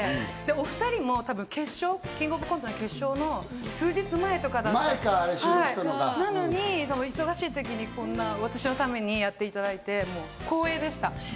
お２人もキングオブコントの決勝の数日前とかだったんで、なのに忙しい時にこんな私のためにやっていただいて光栄でした。